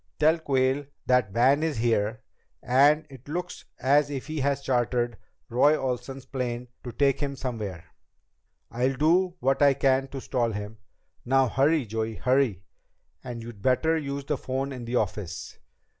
Tell Quayle that Van is here and it looks as if he has chartered Roy Olsen's plane to take him somewhere. I'll do what I can to stall him. Now hurry, Joey! Hurry! And you'd better use the phone in the office."